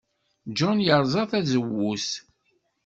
John yerẓa tazewwut.